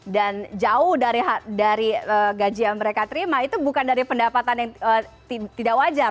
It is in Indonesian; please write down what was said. dan jauh dari gaji yang mereka terima itu bukan dari pendapatan yang tidak wajar